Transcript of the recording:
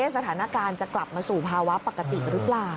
สถานการณ์จะกลับมาสู่ภาวะปกติหรือเปล่า